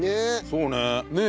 そうね。